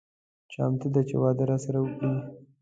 چمتو ده چې واده راسره وکړي.